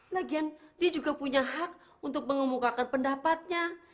lagian dia juga punya hak untuk mengemukakan pendapatnya